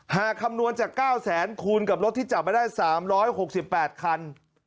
คำนวณจาก๙แสนคูณกับรถที่จับมาได้๓๖๘คัน